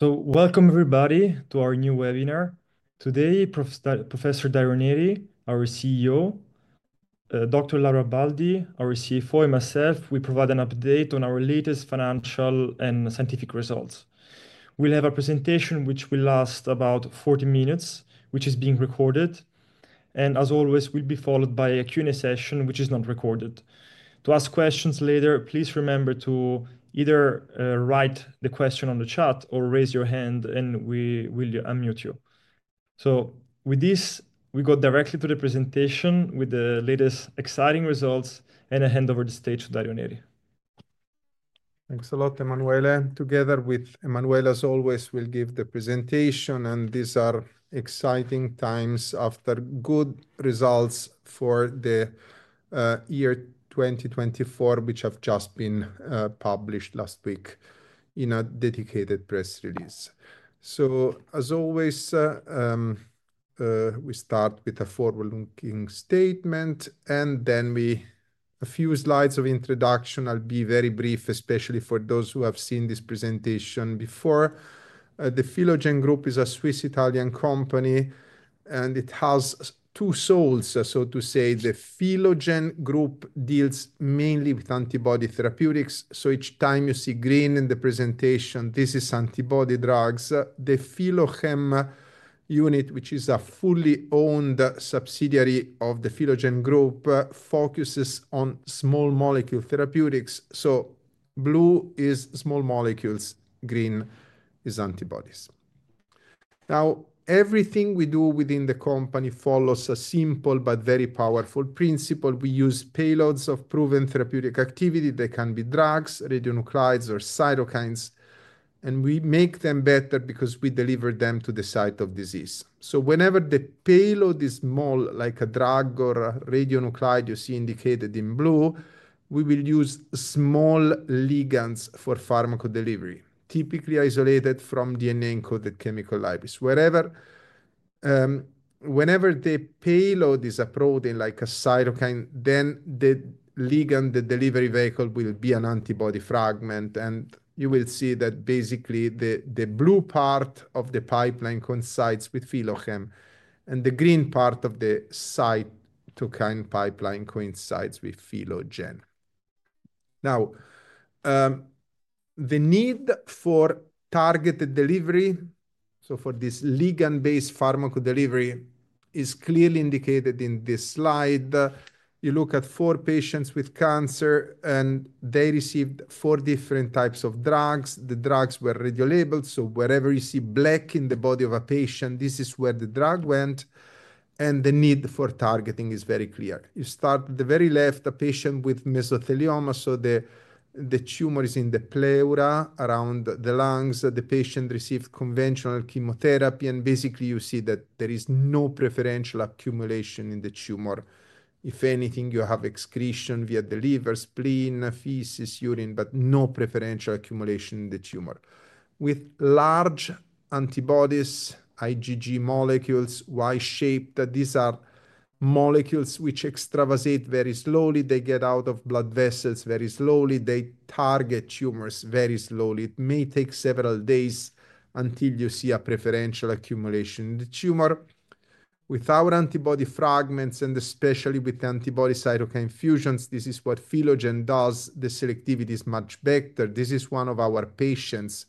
Welcome, everybody, to our new webinar. Today, Professor Dario Neri, our CEO, Dr. Laura Baldi, our CFO, and myself, we provide an update on our latest financial and scientific results. We will have a presentation which will last about 40 minutes, which is being recorded. As always, we will be followed by a Q&A session, which is not recorded. To ask questions later, please remember to either write the question on the chat or raise your hand, and we will unmute you. With this, we go directly to the presentation with the latest exciting results, and I hand over the stage to Dario Neri. Thanks a lot, Emanuele. Together with Emanuele, as always, we'll give the presentation. These are exciting times after good results for the year 2024, which have just been published last week in a dedicated press release. As always, we start with a forward-looking statement, and then a few slides of introduction. I'll be very brief, especially for those who have seen this presentation before. The Philogen Group is a Swiss-Italian company, and it has two souls, so to say. The Philogen Group deals mainly with antibody therapeutics. Each time you see green in the presentation, this is antibody drugs. The Philochem unit, which is a fully owned subsidiary of the Philogen Group, focuses on small molecule therapeutics. Blue is small molecules, green is antibodies. Now, everything we do within the company follows a simple but very powerful principle. We use payloads of proven therapeutic activity. They can be drugs, radionuclides, or cytokines. We make them better because we deliver them to the site of disease. Whenever the payload is small, like a drug or a radionuclide you see indicated in blue, we will use small ligands for pharmacodelivery, typically isolated from DNA-encoded chemical libraries. Whenever the payload is a protein like a cytokine, the ligand, the delivery vehicle, will be an antibody fragment. You will see that basically the blue part of the pipeline coincides with Philogen, and the green part of the cytokine pipeline coincides with Philogen. The need for targeted delivery, for this ligand-based pharmacodelivery, is clearly indicated in this slide. You look at four patients with cancer, and they received four different types of drugs. The drugs were radiolabeled. Wherever you see black in the body of a patient, this is where the drug went. The need for targeting is very clear. You start at the very left, a patient with mesothelioma. The tumor is in the pleura around the lungs. The patient received conventional chemotherapy. Basically, you see that there is no preferential accumulation in the tumor. If anything, you have excretion via the liver, spleen, feces, urine, but no preferential accumulation in the tumor. With large antibodies, IgG molecules, Y-shaped, these are molecules which extravasate very slowly. They get out of blood vessels very slowly. They target tumors very slowly. It may take several days until you see a preferential accumulation in the tumor. With our antibody fragments, and especially with antibody cytokine fusions, this is what Philogen does. The selectivity is much better. This is one of our patients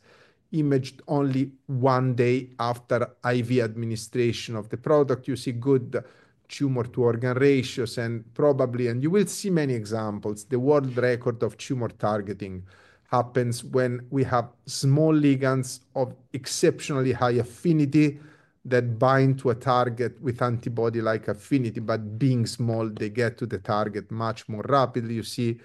imaged only one day after IV administration of the product. You see good tumor-to-organ ratios. You will see many examples. The world record of tumor targeting happens when we have small ligands of exceptionally high affinity that bind to a target with antibody-like affinity. Being small, they get to the target much more rapidly. You see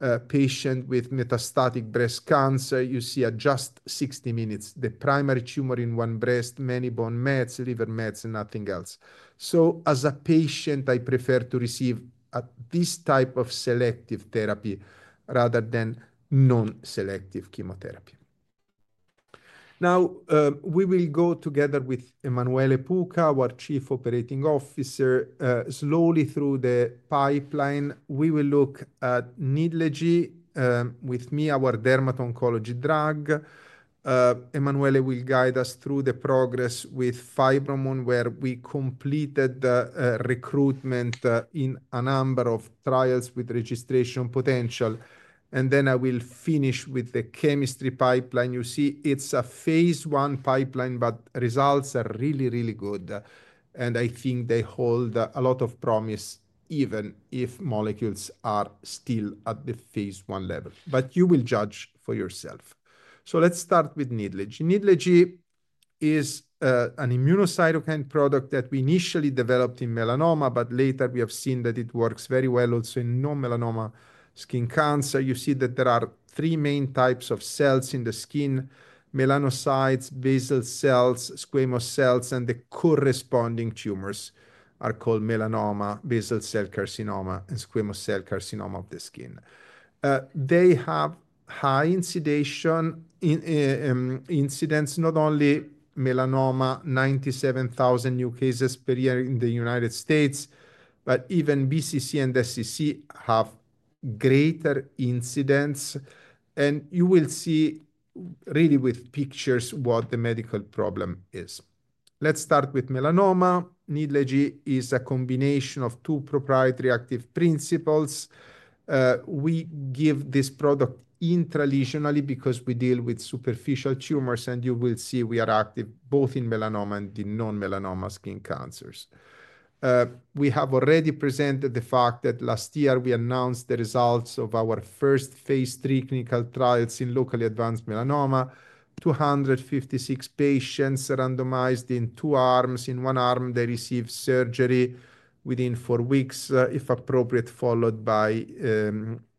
a patient with metastatic breast cancer. You see at just 60 minutes the primary tumor in one breast, many bone mets, liver mets, and nothing else. As a patient, I prefer to receive this type of selective therapy rather than non-selective chemotherapy. Now, we will go together with Emanuele Puca, our Chief Operating Officer, slowly through the pipeline. We will look at Nidlegy with me, our dermato-oncology drug. Emanuele will guide us through the progress with Fibromun, where we completed recruitment in a number of trials with registration potential. I will finish with the chemistry pipeline. You see, it's a phase one pipeline, but results are really, really good. I think they hold a lot of promise, even if molecules are still at the phase one level. You will judge for yourself. Let's start with Nidlegy. Nidlegy is an immunocytokine product that we initially developed in melanoma, but later we have seen that it works very well also in non-melanoma skin cancer. You see that there are three main types of cells in the skin: melanocytes, basal cells, squamous cells, and the corresponding tumors are called melanoma, basal cell carcinoma, and squamous cell carcinoma of the skin. They have high incidence, not only melanoma, 97,000 new cases per year in the United States, but even BCC and SCC have greater incidence. You will see really with pictures what the medical problem is. Let's start with melanoma. Nidlegy is a combination of two proprietary active principles. We give this product intralesionally because we deal with superficial tumors. You will see we are active both in melanoma and in non-melanoma skin cancers. We have already presented the fact that last year we announced the results of our first phase three clinical trials in locally advanced melanoma. Two hundred fifty-six patients randomized in two arms. In one arm, they received surgery within four weeks, if appropriate, followed by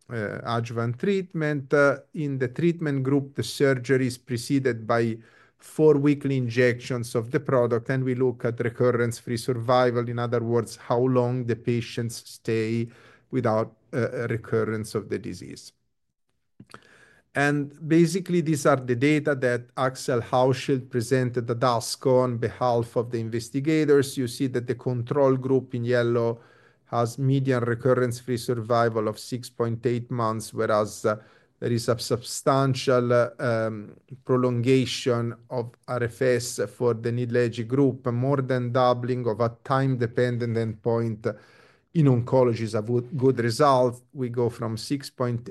adjuvant treatment. In the treatment group, the surgery is preceded by four weekly injections of the product. We look at recurrence-free survival, in other words, how long the patients stay without recurrence of the disease. Basically, these are the data that Axel Hauschild presented at ASCO on behalf of the investigators. You see that the control group in yellow has median recurrence-free survival of 6.8 months, whereas there is a substantial prolongation of RFS for the Nidlegy group, more than doubling of a time-dependent endpoint. In oncology, it's a good result. We go from 6.8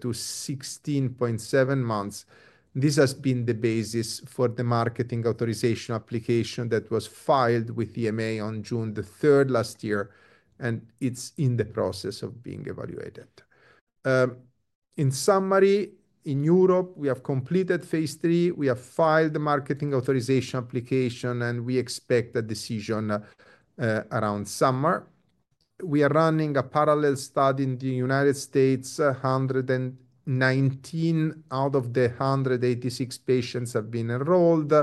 to 16.7 months. This has been the basis for the marketing authorization application that was filed with EMA on June 3 last year. It's in the process of being evaluated. In summary, in Europe, we have completed phase three. We have filed the marketing authorization application, and we expect a decision around summer. We are running a parallel study in the U.S. 119 out of the 186 patients have been enrolled.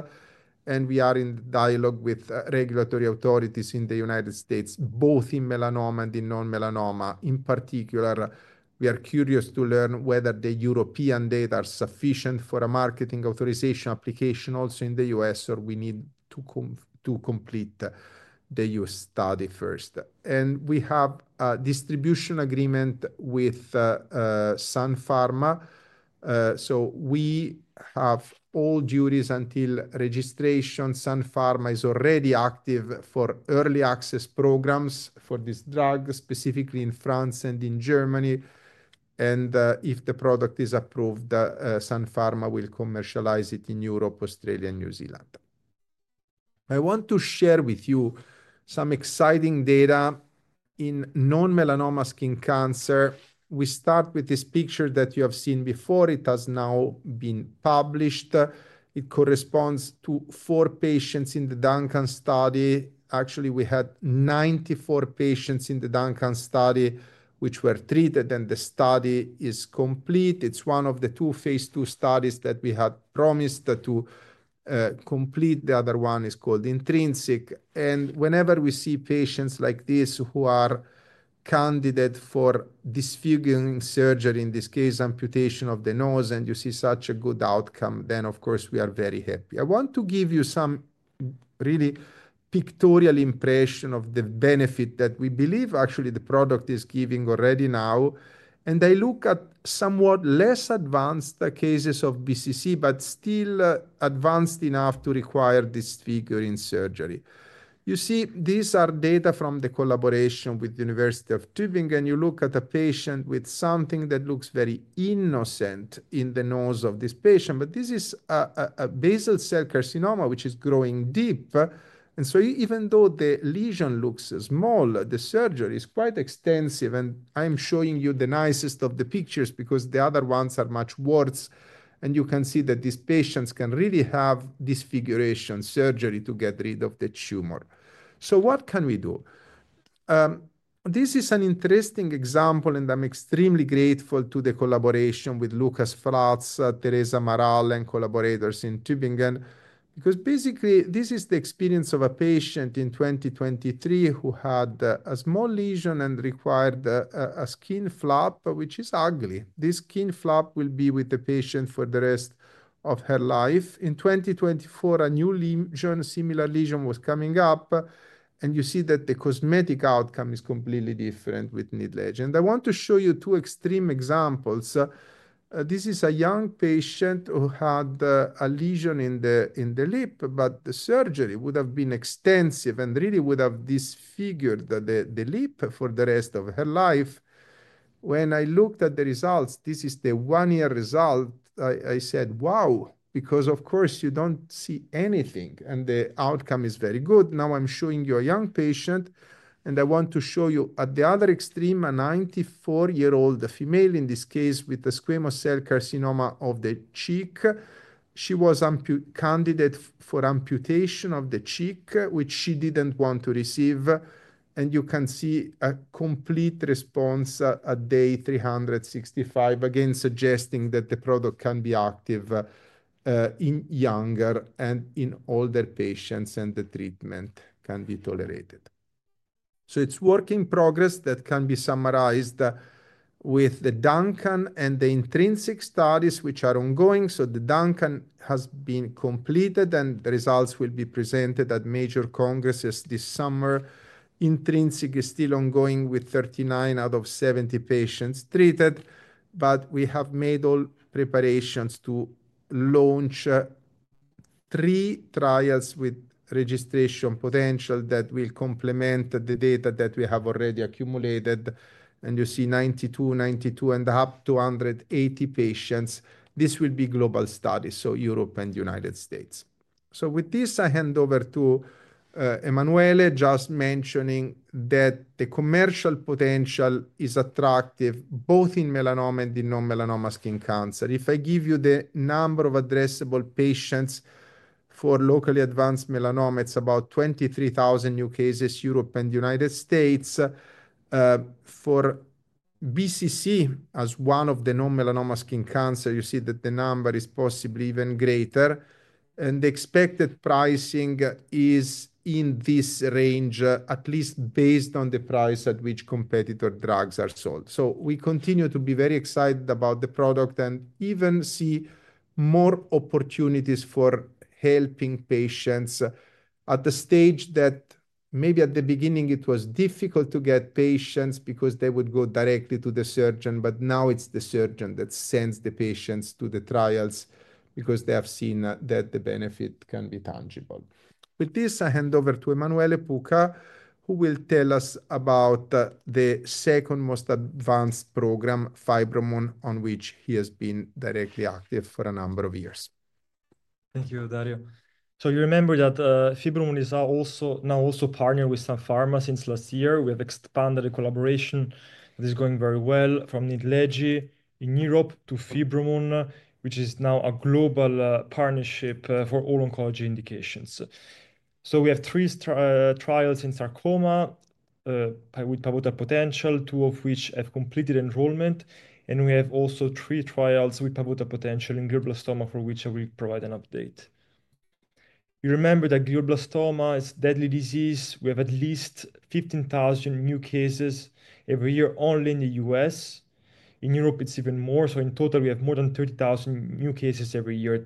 We are in dialogue with regulatory authorities in the U.S., both in melanoma and in non-melanoma. In particular, we are curious to learn whether the European data are sufficient for a marketing authorization application also in the U.S., or we need to complete the U.S. study first. We have a distribution agreement with. We have all duties until registration. Sun Pharma is already active for early access programs for this drug, specifically in France and in Germany. If the product is approved, Sun Pharma will commercialize it in Europe, Australia, and New Zealand. I want to share with you some exciting data in non-melanoma skin cancer. We start with this picture that you have seen before. It has now been published. It corresponds to four patients in the DUNCAN study. Actually, we had 94 patients in the DUNCAN study, which were treated, and the study is complete. It is one of the two phase two studies that we had promised to complete. The other one is called Intrinsic. Whenever we see patients like this who are candidate for disfiguring surgery, in this case, amputation of the nose, and you see such a good outcome, of course, we are very happy. I want to give you some really pictorial impression of the benefit that we believe, actually, the product is giving already now. They look at somewhat less advanced cases of BCC, but still advanced enough to require disfiguring surgery. You see, these are data from the collaboration with the University of Tübingen. You look at a patient with something that looks very innocent in the nose of this patient. This is a basal cell carcinoma, which is growing deep. Even though the lesion looks small, the surgery is quite extensive. I am showing you the nicest of the pictures because the other ones are much worse. You can see that these patients can really have disfiguration surgery to get rid of the tumor. What can we do? This is an interesting example, and I'm extremely grateful to the collaboration with Lukas Flatz, Teresa Amaral, and collaborators in Tübingen. Basically, this is the experience of a patient in 2023 who had a small lesion and required a skin flap, which is ugly. This skin flap will be with the patient for the rest of her life. In 2024, a new lesion, similar lesion, was coming up. You see that the cosmetic outcome is completely different with Nidlegy and I want to show you two extreme examples. This is a young patient who had a lesion in the lip, but the surgery would have been extensive and really would have disfigured the lip for the rest of her life. When I looked at the results, this is the one-year result. I said, wow, because of course, you do not see anything. The outcome is very good. Now I am showing you a young patient. I want to show you at the other extreme, a 94-year-old female, in this case, with a squamous cell carcinoma of the cheek. She was a candidate for amputation of the cheek, which she did not want to receive. You can see a complete response at day 365, again suggesting that the product can be active in younger and in older patients, and the treatment can be tolerated. It is work in progress that can be summarized with the DUNCAN and the Intrinsic studies, which are ongoing. The DUNCAN has been completed, and the results will be presented at major congresses this summer. Intrinsic is still ongoing with 39 out of 70 patients treated. We have made all preparations to launch three trials with registration potential that will complement the data that we have already accumulated. You see 92, 92, and up to 180 patients. These will be global studies, Europe and the United States. With this, I hand over to Emanuele, just mentioning that the commercial potential is attractive both in melanoma and in non-melanoma skin cancer. If I give you the number of addressable patients for locally advanced melanoma, it is about 23,000 new cases, Europe and the United States. For BCC, as one of the non-melanoma skin cancers, you see that the number is possibly even greater. The expected pricing is in this range, at least based on the price at which competitor drugs are sold. We continue to be very excited about the product and even see more opportunities for helping patients at the stage that maybe at the beginning it was difficult to get patients because they would go directly to the surgeon. Now it is the surgeon that sends the patients to the trials because they have seen that the benefit can be tangible. With this, I hand over to Emanuele Puca, who will tell us about the second most advanced program, Fibromun, on which he has been directly active for a number of years. Thank you, Dario. You remember that Fibromun is now also partnered with Sun Pharma since last year. We have expanded the collaboration. This is going very well from Nidlegy in Europe to Fibromun, which is now a global partnership for all oncology indications. We have three trials in sarcoma with pivotal potential, two of which have completed enrollment. We have also three trials with pivotal pote ntial in glioblastoma, for which I will provide an update. You remember that glioblastoma is a deadly disease. We have at least 15,000 new cases every year only in the U.S. In Europe, it's even more. In total, we have more than 30,000 new cases every year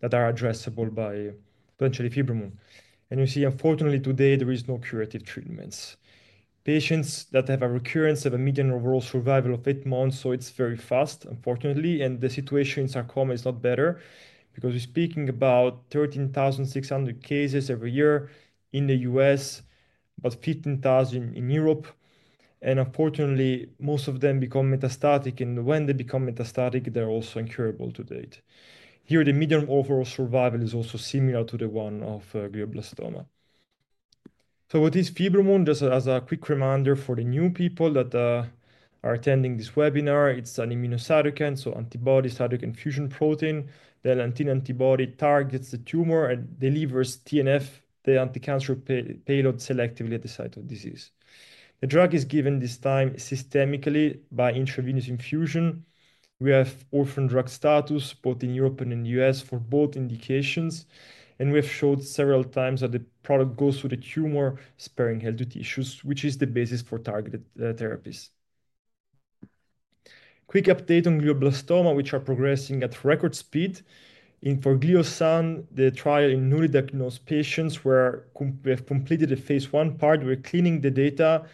that are addressable by potentially Fibromun. You see, unfortunately, today, there are no curative treatments. Patients that have a recurrence have a median overall survival of eight months. It's very fast, unfortunately. The situation in sarcoma is not better because we're speaking about 13,600 cases every year in the U.S., but 15,000 in Europe. Unfortunately, most of them become metastatic. When they become metastatic, they're also incurable to date. Here, the median overall survival is also similar to the one of glioblastoma. What is Fibromun? Just as a quick reminder for the new people that are attending this webinar, it's an immunocytokine, so antibody cytokine fusion protein. The L19 antibody targets the tumor and delivers TNF, the anti-cancer payload, selectively at the site of disease. The drug is given this time systemically by intravenous infusion. We have orphan drug status both in Europe and in the US for both indications. We have showed several times that the product goes through the tumor, sparing healthy tissues, which is the basis for targeted therapies. Quick update on glioblastoma, which are progressing at record speed. For Gliosan, the trial in newly diagnosed patients where we have completed the phase one part, we're cleaning the data,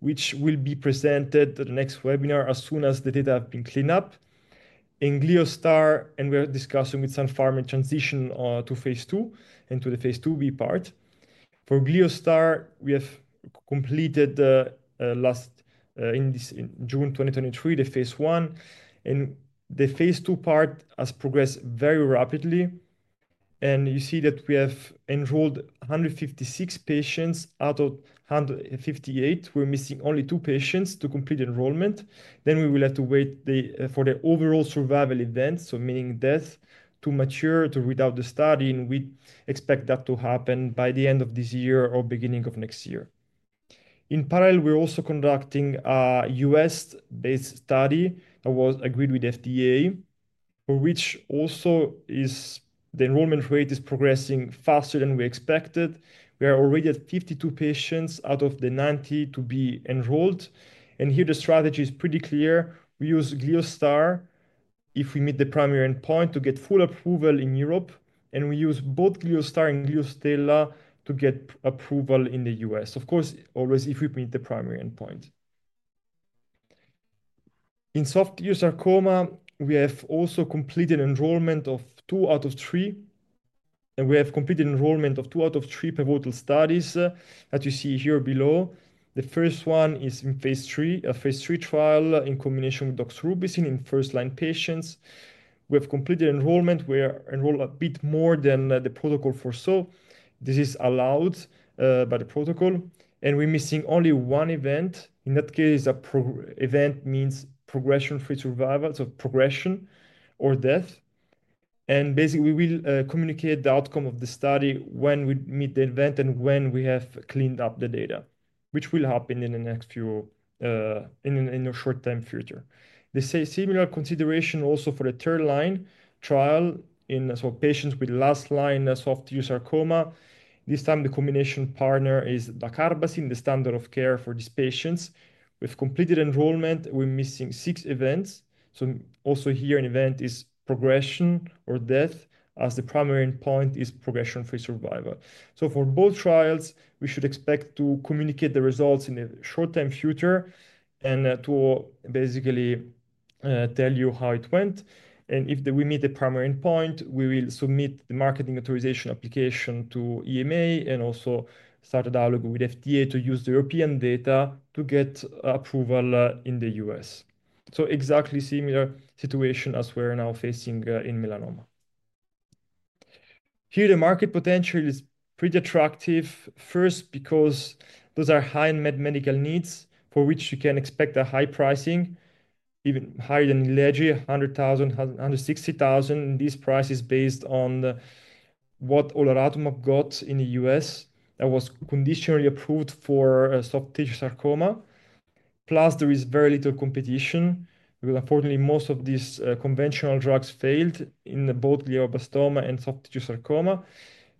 which will be presented at the next webinar as soon as the data have been cleaned up. In Gliostar, and we're discussing with Sun Pharma transition to phase two and to the phase two B part. For Gliostar, we have completed last in June 2023, the phase one. The phase two part has progressed very rapidly. You see that we have enrolled 156 patients out of 158. We're missing only two patients to complete enrollment. We will have to wait for the overall survival event, so meaning death, to mature, to read out the study. We expect that to happen by the end of this year or beginning of next year. In parallel, we're also conducting a US-based study that was agreed with FDA, for which also the enrollment rate is progressing faster than we expected. We are already at 52 patients out of the 90 to be enrolled. The strategy is pretty clear. We use Gliostar if we meet the primary endpoint to get full approval in Europe. We use both Gliostar and Gliostella to get approval in the US, of course, always if we meet the primary endpoint. In soft-sarcoma, we have also completed enrollment of two out of three. We have completed enrollment of two out of three pivotal studies that you see here below. The first one is in phase three, a phase three trial in combination with doxorubicin in first-line patients. We have completed enrollment. We enrolled a bit more than the protocol foresaw. This is allowed by the protocol. We're missing only one event. In that case, an event means progression-free survival, so progression or death. Basically, we will communicate the outcome of the study when we meet the event and when we have cleaned up the data, which will happen in the next few, in a short time future. They say similar consideration also for the third-line trial in patients with last-line soft-sarcoma. This time, the combination partner is dacarbazine, the standard of care for these patients. We've completed enrollment. We're missing six events. Also here, an event is progression or death as the primary endpoint is progression-free survival. For both trials, we should expect to communicate the results in a short time future and to basically tell you how it went. If we meet the primary endpoint, we will submit the marketing authorization application to EMA and also start a dialogue with FDA to use the European data to get approval in the U.S. Exactly similar situation as we're now facing in melanoma. Here, the market potential is pretty attractive, first, because those are high medical needs for which you can expect a high pricing, even higher than Nidlegy, $100,000-$160,000. These prices are based on what Olaratumab got in the U.S. that was conditionally approved for soft-sarcoma. Plus, there is very little competition because, unfortunately, most of these conventional drugs failed in both glioblastoma and soft-sarcoma.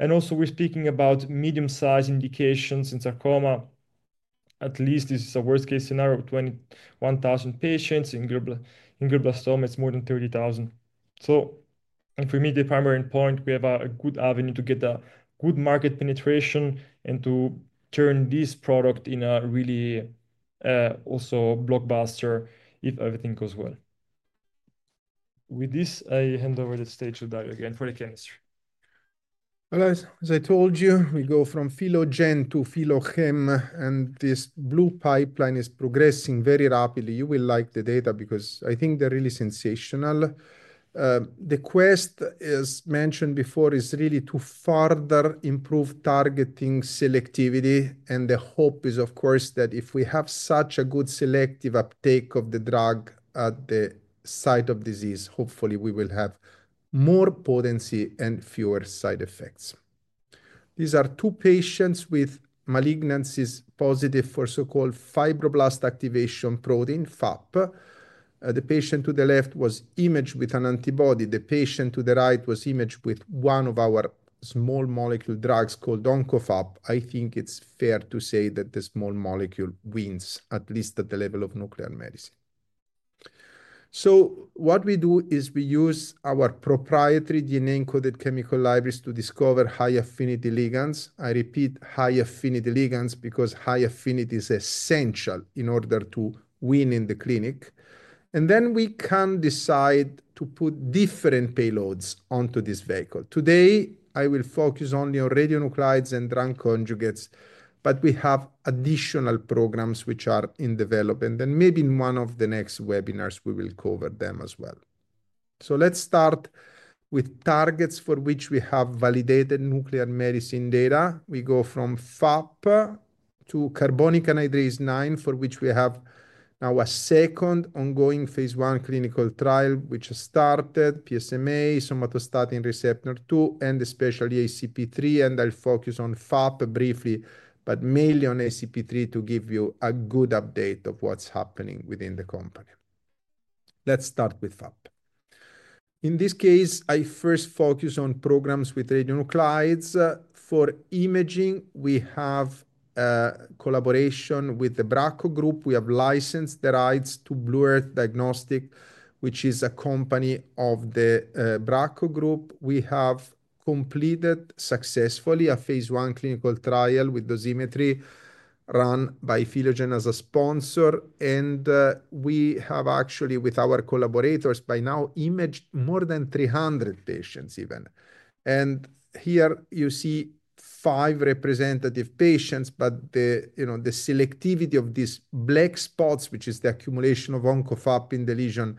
Also, we're speaking about medium-sized indications in sarcoma. At least this is a worst-case scenario of 21,000 patients. In glioblastoma, it's more than 30,000. If we meet the primary endpoint, we have a good avenue to get a good market penetration and to turn this product in a really also blockbuster if everything goes well. With this, I hand over the stage to Dario again for the chemistry. As I told you, we go from Philogen to Philochem. And this blue pipeline is progressing very rapidly. You will like the data because I think they're really sensational. The quest, as mentioned before, is really to further improve targeting selectivity. The hope is, of course, that if we have such a good selective uptake of the drug at the site of disease, hopefully, we will have more potency and fewer side effects. These are two patients with malignancies positive for so-called fibroblast activation protein, FAP. The patient to the left was imaged with an antibody. The patient to the right was imaged with one of our small molecule drugs called OncoFAP. I think it's fair to say that the small molecule wins, at least at the level of nuclear medicine. What we do is we use our proprietary DNA-encoded chemical libraries to discover high affinity ligands. I repeat, high affinity ligands because high affinity is essential in order to win in the clinic. Then we can decide to put different payloads onto this vehicle. Today, I will focus only on radionuclides and drug conjugates, but we have additional programs which are in development. Maybe in one of the next webinars, we will cover them as well. Let's start with targets for which we have validated nuclear medicine data. We go from FAP to carbonic anhydrase-9, for which we have now a second ongoing phase one clinical trial, which has started, PSMA, somatostatin receptor 2, and especially ACP3. I'll focus on FAP briefly, but mainly on ACP3 to give you a good update of what's happening within the company. Let's start with FAP. In this case, I first focus on programs with radionuclides. For imaging, we have a collaboration with the Bracco Group. We have licensed the rights to Blue Earth Diagnostics, which is a company of the Bracco Group. We have completed successfully a phase one clinical trial with dosimetry run by Philogen as a sponsor. We have actually, with our collaborators by now, imaged more than 300 patients even. Here, you see five representative patients, but the selectivity of these black spots, which is the accumulation of OncoFAP in the lesion,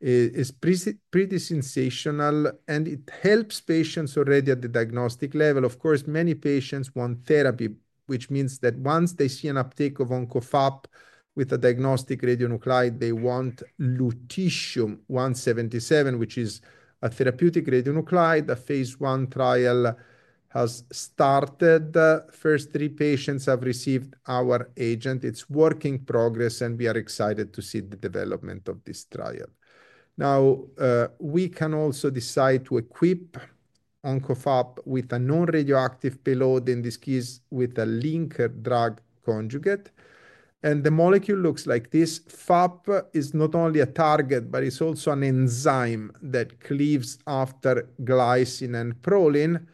is pretty sensational. It helps patients already at the diagnostic level. Of course, many patients want therapy, which means that once they see an uptake of OncoFAP with a diagnostic radionuclide, they want Lutetium 177, which is a therapeutic radionuclide. A phase one trial has started. The first three patients have received our agent. It's working progress, and we are excited to see the development of this trial. Now, we can also decide to equip OncoFAP with a non-radioactive payload, in this case, with a linker drug conjugate. The molecule looks like this. FAP is not only a target, but it's also an enzyme that cleaves after glycine and proline.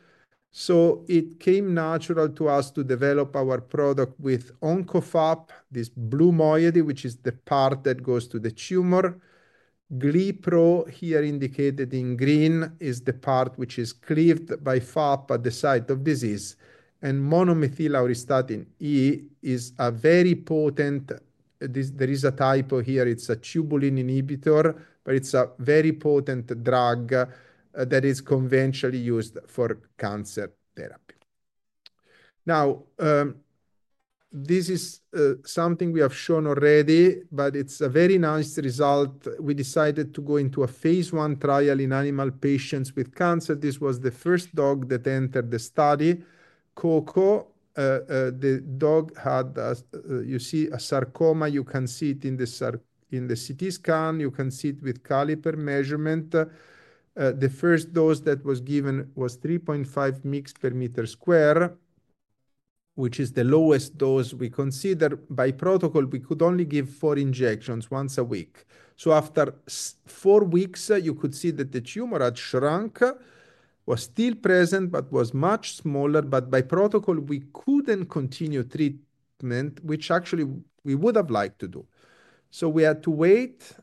It came natural to us to develop our product with OncoFAP, this blue moiety, which is the part that goes to the tumor. GliPro, here indicated in green, is the part which is cleaved by FAP at the site of disease. Monomethyl auristatin E is a very potent. There is a typo here. It's a tubulin inhibitor, but it's a very potent drug that is conventionally used for cancer therapy. Now, this is something we have shown already, but it's a very nice result. We decided to go into a phase one trial in animal patients with cancer. This was the first dog that entered the study, Coco. The dog had, you see, a sarcoma. You can see it in the CT scan. You can see it with caliper measurement. The first dose that was given was 3.5 mg per meter square, which is the lowest dose we consider. By protocol, we could only give four injections once a week. After four weeks, you could see that the tumor had shrunk, was still present, but was much smaller. By protocol, we couldn't continue treatment, which actually we would have liked to do. We had to wait.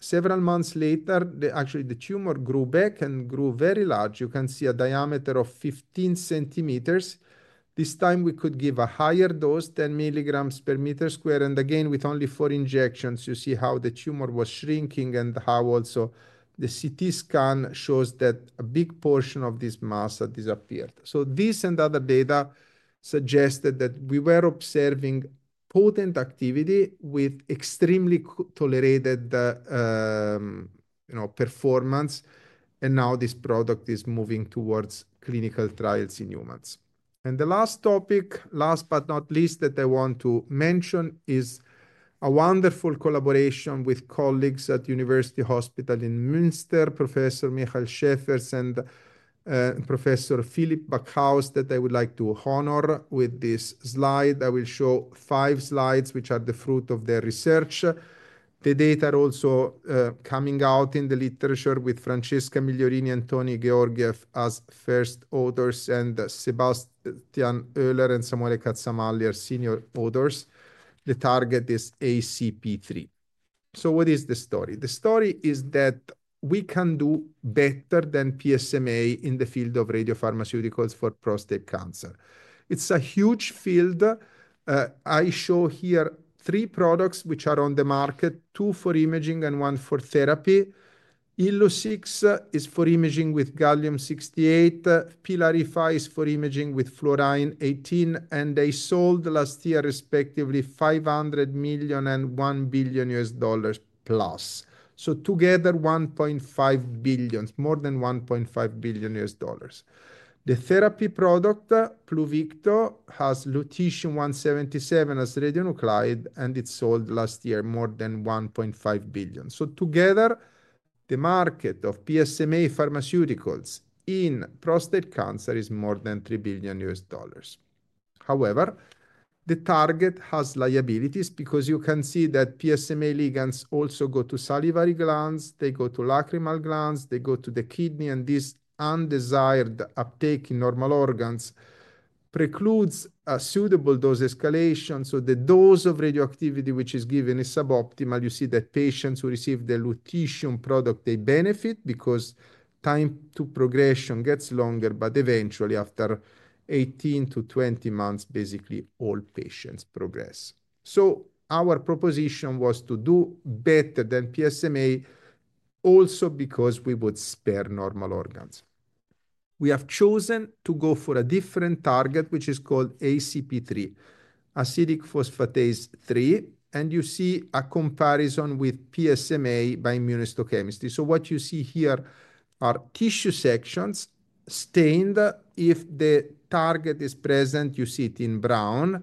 Several months later, actually, the tumor grew back and grew very large. You can see a diameter of 15 cm. This time, we could give a higher dose, 10 mg per meter square. Again, with only four injections, you see how the tumor was shrinking and how also the CT scan shows that a big portion of this mass had disappeared. This and other data suggested that we were observing potent activity with extremely tolerated performance. Now this product is moving towards clinical trials in humans. The last topic, last but not least, that I want to mention is a wonderful collaboration with colleagues at University Hospital in Münster, Professor Michael Schäfers and Professor Philipp Backhaus, that I would like to honor with this slide. I will show five slides, which are the fruit of their research. The data are also coming out in the literature with Francesca Migliorini and Tony Georgiev as first authors and Sebastian Oehler and Samuele Cazzamalli as senior authors. The target is ACP3. What is the story? The story is that we can do better than PSMA in the field of radiopharmaceuticals for prostate cancer. It's a huge field. I show here three products which are on the market, two for imaging and one for therapy. Illuccix is for imaging with Gallium-68. Pylarify is for imaging with Fluorine-18. They sold last year, respectively, $500 million and $1 billion. So together, $1.5 billion, more than $1.5 billion. The therapy product, Pluvicto, has Lutetium 177 as radionuclide, and it sold last year more than $1.5 billion. Together, the market of PSMA pharmaceuticals in prostate cancer is more than $3 billion. However, the target has liabilities because you can see that PSMA ligands also go to salivary glands. They go to lacrimal glands. They go to the kidney. This undesired uptake in normal organs precludes a suitable dose escalation. The dose of radioactivity which is given is suboptimal. You see that patients who receive the Lutetium product, they benefit because time to progression gets longer. Eventually, after 18-20 months, basically, all patients progress. Our proposition was to do better than PSMA also because we would spare normal organs. We have chosen to go for a different target, which is called ACP3, acidic phosphatase 3. You see a comparison with PSMA by immunohistochemistry. What you see here are tissue sections stained. If the target is present, you see it in brown.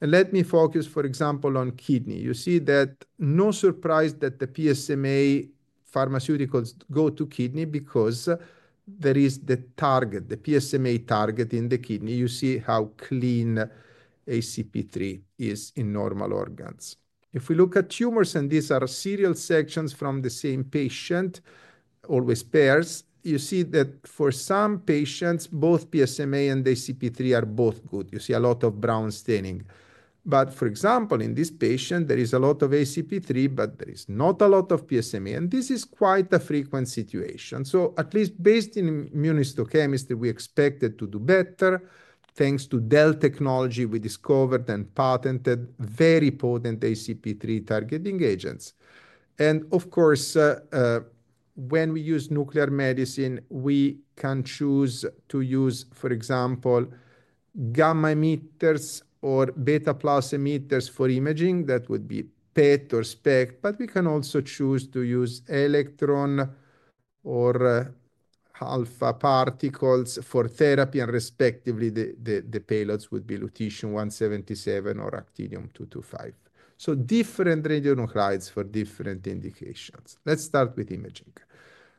Let me focus, for example, on kidney. You see that no surprise that the PSMA pharmaceuticals go to kidney because there is the target, the PSMA target in the kidney. You see how clean ACP3 is in normal organs. If we look at tumors, and these are serial sections from the same patient, always pairs, you see that for some patients, both PSMA and ACP3 are both good. You see a lot of brown staining. For example, in this patient, there is a lot of ACP3, but there is not a lot of PSMA. This is quite a frequent situation. At least based in immunohistochemistry, we expect it to do better thanks to Dell technology. We discovered and patented very potent ACP3 targeting agents. Of course, when we use nuclear medicine, we can choose to use, for example, gamma emitters or beta-plus emitters for imaging. That would be PET or SPECT. We can also choose to use electron or alpha particles for therapy. Respectively, the payloads would be Lutetium 177 or Actinium 225. Different radionuclides for different indications. Let's start with imaging.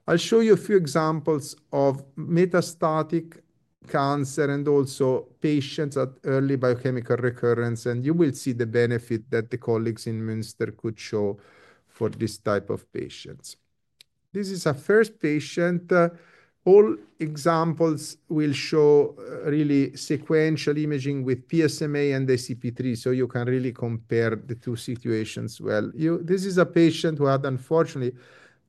I'll show you a few examples of metastatic cancer and also patients at early biochemical recurrence. You will see the benefit that the colleagues in Münster could show for this type of patients. This is a first patient. All examples will show really sequential imaging with PSMA and ACP3, so you can really compare the two situations well. This is a patient who had, unfortunately,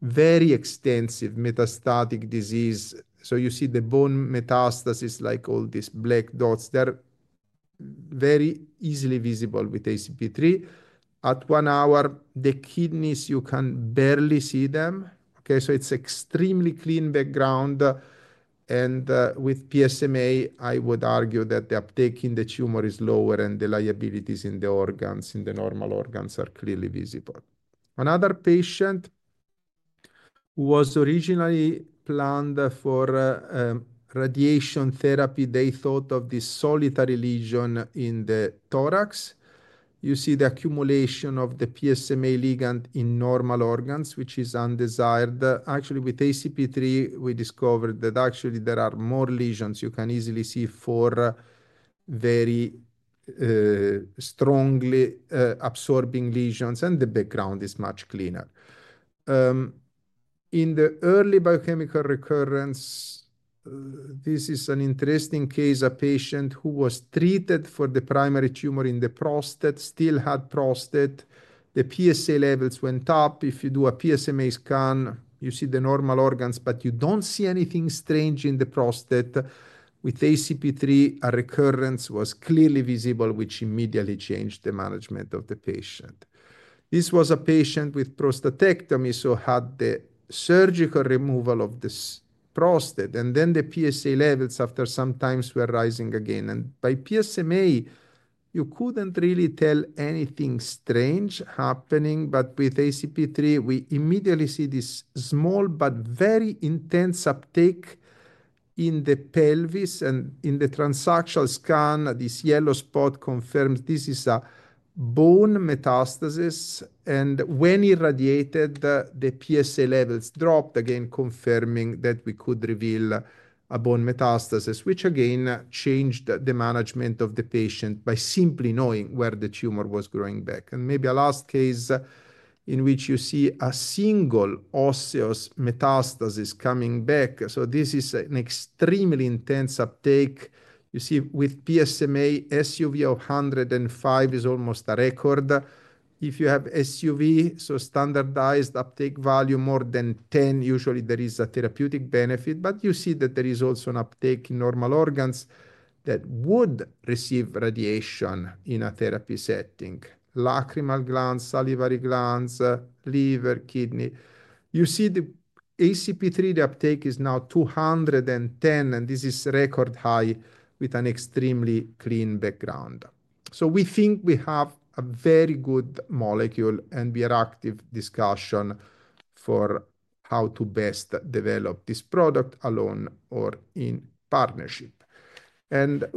very extensive metastatic disease. You see the bone metastasis, like all these black dots. They're very easily visible with ACP3. At one hour, the kidneys, you can barely see them. Okay, so it's extremely clean background. With PSMA, I would argue that the uptake in the tumor is lower and the liabilities in the organs, in the normal organs, are clearly visible. Another patient was originally planned for radiation therapy. They thought of this solitary lesion in the thorax. You see the accumulation of the PSMA ligand in normal organs, which is undesired. Actually, with ACP3, we discovered that actually there are more lesions. You can easily see four very strongly absorbing lesions, and the background is much cleaner. In the early biochemical recurrence, this is an interesting case. A patient who was treated for the primary tumor in the prostate still had prostate. The PSA levels went up. If you do a PSMA scan, you see the normal organs, but you do not see anything strange in the prostate. With ACP3, a recurrence was clearly visible, which immediately changed the management of the patient. This was a patient with prostatectomy, so had the surgical removal of the prostate. The PSA levels after some time were rising again. By PSMA, you could not really tell anything strange happening. With ACP3, we immediately see this small but very intense uptake in the pelvis. In the transactional scan, this yellow spot confirms this is a bone metastasis. When irradiated, the PSA levels dropped again, confirming that we could reveal a bone metastasis, which again changed the management of the patient by simply knowing where the tumor was growing back. Maybe a last case in which you see a single osseous metastasis coming back. This is an extremely intense uptake. You see with PSMA, SUV of 105 is almost a record. If you have SUV, so standardized uptake value more than 10, usually there is a therapeutic benefit. You see that there is also an uptake in normal organs that would receive radiation in a therapy setting: lacrimal glands, salivary glands, liver, kidney. You see the ACP3, the uptake is now 210, and this is record high with an extremely clean background. We think we have a very good molecule and we are active discussion for how to best develop this product alone or in partnership.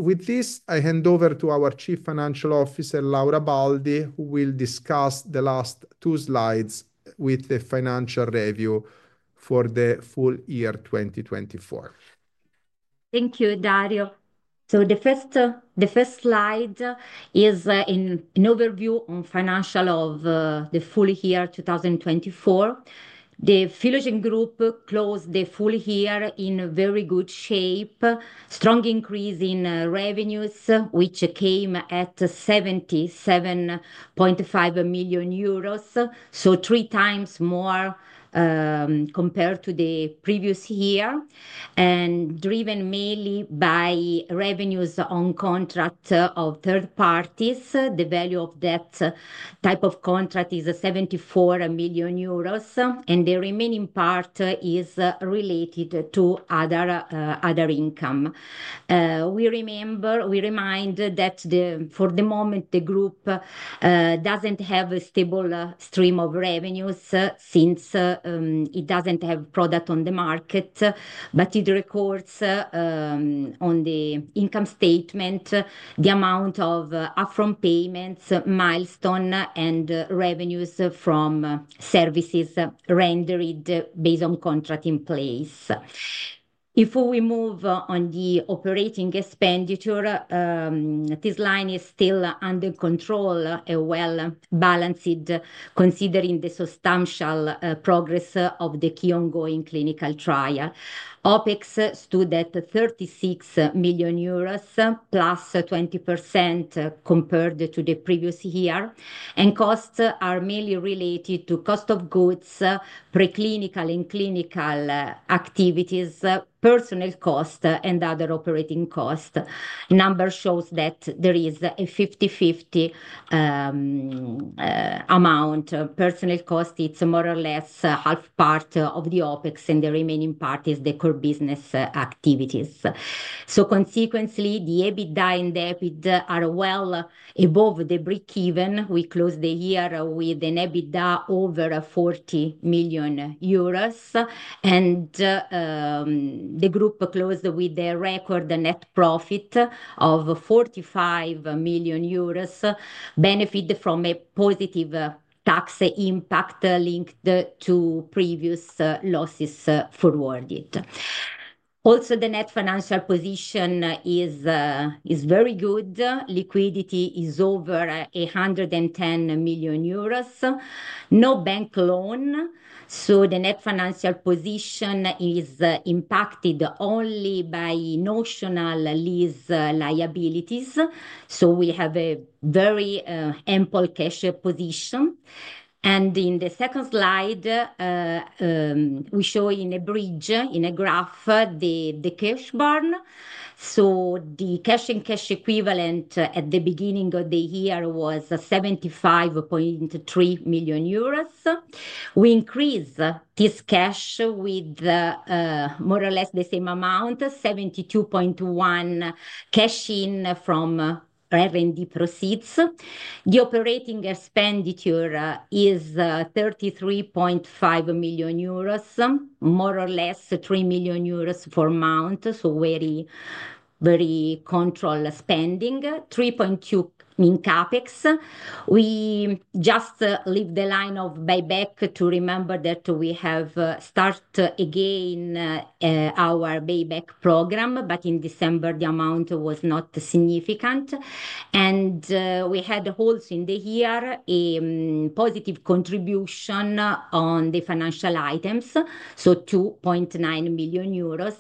With this, I hand over to our Chief Financial Officer, Laura Baldi, who will discuss the last two slides with the financial review for the full year 2024. Thank you, Dario. The first slide is an overview on financial of the full year 2024. The Philogen Group closed the full year in very good shape, strong increase in revenues, which came at 77.5 million euros, so three times more compared to the previous year, and driven mainly by revenues on contract of third parties. The value of that type of contract is 74 million euros, and the remaining part is related to other income. We remember, we remind that for the moment, the group doesn't have a stable stream of revenues since it doesn't have product on the market. But it records on the income statement the amount of upfront payments, milestone, and revenues from services rendered based on contract in place. Before we move on the operating expenditure, this line is still under control and well balanced, considering the substantial progress of the key ongoing clinical trial. OPEX stood at 36 million euros, plus 20% compared to the previous year. Costs are mainly related to cost of goods, preclinical and clinical activities, personal cost, and other operating costs. Number shows that there is a 50/50 amount. Personal cost, it's more or less half part of the OPEX, and the remaining part is the core business activities. Consequently, the EBITDA and EBIT are well above the break-even. We closed the year with an EBITDA over 40 million euros. The group closed with a record net profit of 45 million euros, benefit from a positive tax impact linked to previous losses forwarded. Also, the net financial position is very good. Liquidity is over 110 million euros. No bank loan. The net financial position is impacted only by notional lease liabilities. We have a very ample cash position. In the second slide, we show in a bridge, in a graph, the cash burn. The cash and cash equivalent at the beginning of the year was 75.3 million euros. We increase this cash with more or less the same amount, 72.1 million cash in from R&D proceeds. The operating expenditure is 33.5 million euros, more or less 3 million euros per month. Very, very controlled spending, 3.2 million in CAPEX. We just leave the line of buyback to remember that we have started again our buyback program, but in December, the amount was not significant. We had a hold in the year, a positive contribution on the financial items, so 2.9 million euros.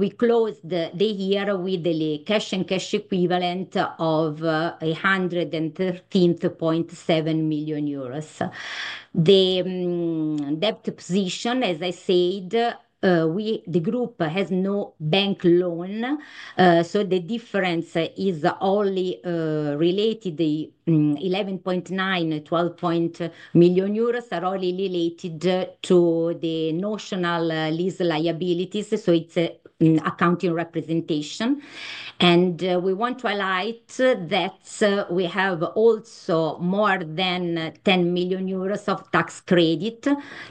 We closed the year with the cash and cash equivalent of 113.7 million euros. The debt position, as I said, the group has no bank loan. The difference is only related to 11.9 million-12.0 million euros, which are only related to the notional lease liabilities. It is accounting representation. We want to highlight that we have also more than 10 million euros of tax credit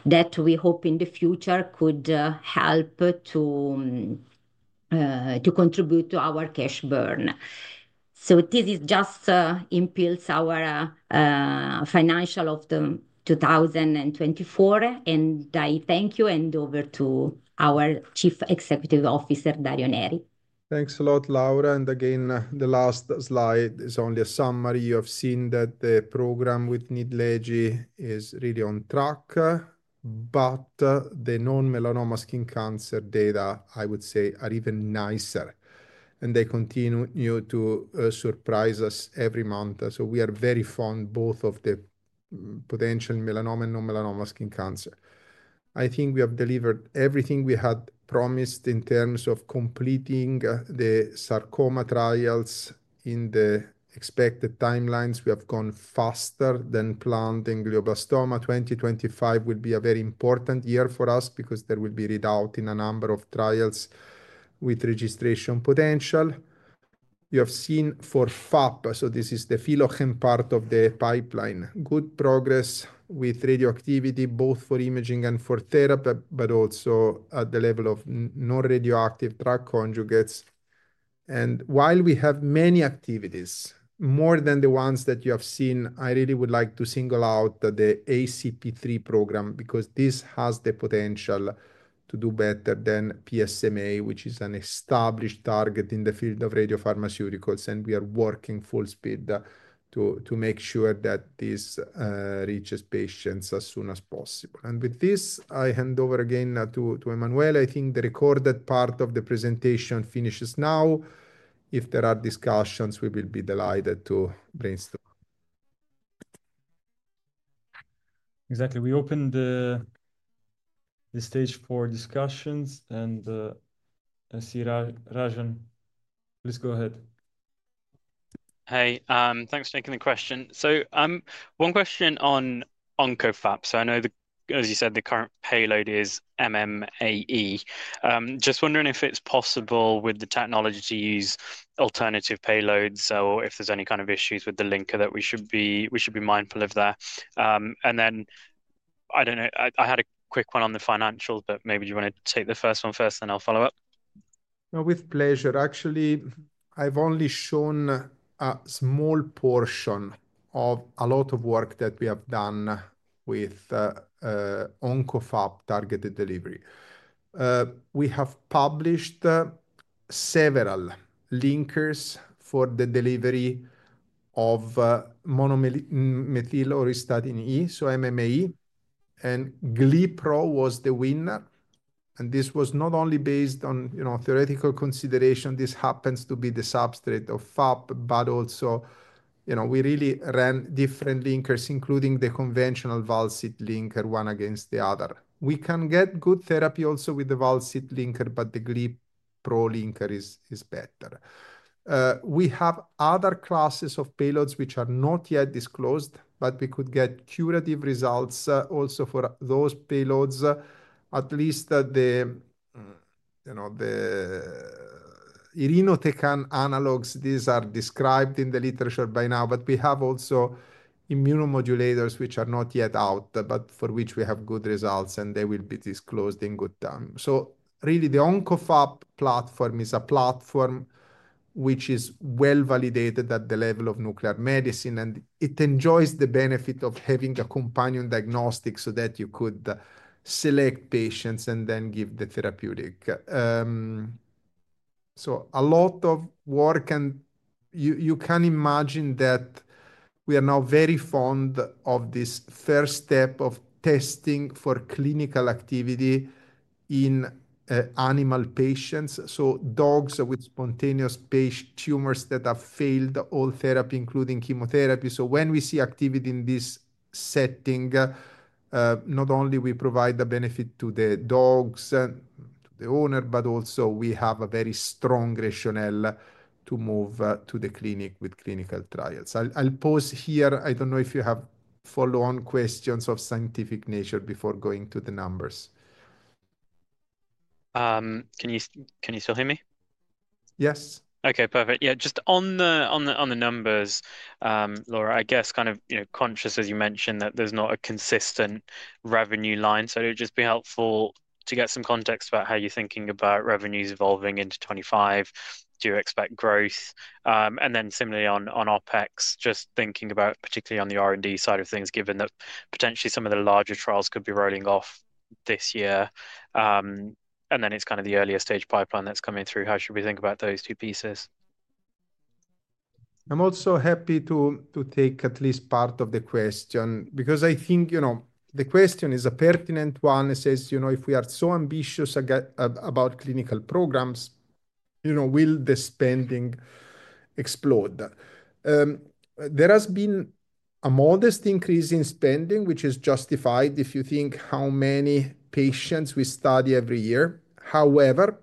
that we hope in the future could help to contribute to our cash burn. This is just in fields, our financial of the 2024. I thank you and over to our Chief Executive Officer, Dario Neri. Thanks a lot, Laura. Again, the last slide is only a summary. You have seen that the program with Nidlegy is really on track. The non-melanoma skin cancer data, I would say, are even nicer. They continue to surprise us every month. We are very fond of both of the potential melanoma and non-melanoma skin cancer. I think we have delivered everything we had promised in terms of completing the sarcoma trials in the expected timelines. We have gone faster than planned in glioblastoma. 2025 will be a very important year for us because there will be readout in a number of trials with registration potential. You have seen for FAP, this is the Philogen part of the pipeline. Good progress with radioactivity, both for imaging and for therapy, but also at the level of non-radioactive drug conjugates. While we have many activities, more than the ones that you have seen, I really would like to single out the ACP3 program because this has the potential to do better than PSMA, which is an established target in the field of radiopharmaceuticals. We are working full speed to make sure that this reaches patients as soon as possible. With this, I hand over again to Emanuele. I think the recorded part of the presentation finishes now. If there are discussions, we will be delighted to brainstorm. Exactly. We opened the stage for discussions. I see Rajan, please go ahead. Hey, thanks for taking the question. One question on OncoFAP. I know, as you said, the current payload is MMAE. Just wondering if it's possible with the technology to use alternative payloads or if there's any kind of issues with the linker that we should be mindful of there. I don't know, I had a quick one on the financials, but maybe do you want to take the first one first and I'll follow up? With pleasure. Actually, I've only shown a small portion of a lot of work that we have done with OncoFAP targeted delivery. We have published several linkers for the delivery of Monomethyl auristatin E, so MMAE. GliPro was the winner. This was not only based on theoretical consideration. This happens to be the substrate of FAP, but also we really ran different linkers, including the conventional val-cit linker, one against the other. We can get good therapy also with the val-cit linker, but the GliPro linker is better. We have other classes of payloads which are not yet disclosed, but we could get curative results also for those payloads, at least the irinotecan analogs. These are described in the literature by now, but we have also immunomodulators which are not yet out, but for which we have good results and they will be disclosed in good time. Really, the OncoFAP platform is a platform which is well validated at the level of nuclear medicine, and it enjoys the benefit of having a companion diagnostic so that you could select patients and then give the therapeutic. A lot of work, and you can imagine that we are now very fond of this first step of testing for clinical activity in animal patients. Dogs with spontaneous page tumors that have failed all therapy, including chemotherapy. When we see activity in this setting, not only do we provide the benefit to the dogs, to the owner, but also we have a very strong rationale to move to the clinic with clinical trials. I'll pause here. I don't know if you have follow-on questions of scientific nature before going to the numbers. Can you still hear me? Yes. Okay, perfect. Yeah, just on the numbers, Laura, I guess kind of conscious, as you mentioned, that there's not a consistent revenue line. It would just be helpful to get some context about how you're thinking about revenues evolving into 2025. Do you expect growth? Similarly on OPEX, just thinking about particularly on the R&D side of things, given that potentially some of the larger trials could be rolling off this year. It's kind of the earlier stage pipeline that's coming through. How should we think about those two pieces? I'm also happy to take at least part of the question because I think the question is a pertinent one. It says, if we are so ambitious about clinical programs, will the spending explode. There has been a modest increase in spending, which is justified if you think how many patients we study every year. However,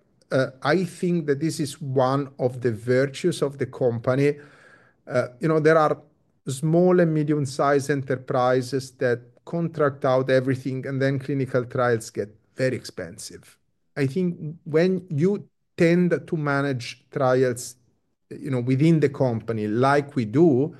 I think that this is one of the virtues of the company. There are small and medium-sized enterprises that contract out everything, and then clinical trials get very expensive. I think when you tend to manage trials within the company like we do,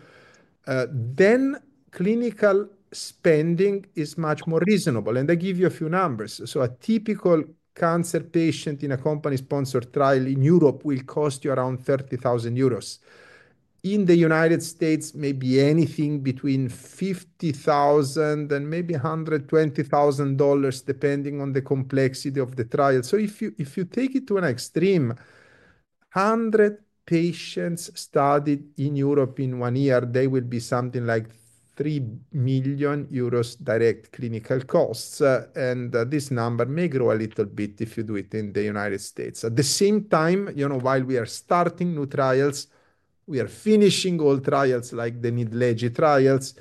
then clinical spending is much more reasonable. I give you a few numbers. A typical cancer patient in a company-sponsored trial in Europe will cost you around 30,000 euros. In the United States, maybe anything between $50,000 and maybe $120,000, depending on the complexity of the trial. If you take it to an extreme, 100 patients studied in Europe in one year, they will be something like 3 million euros direct clinical costs. This number may grow a little bit if you do it in the United States. At the same time, while we are starting new trials, we are finishing old trials like the Nidlegy trials.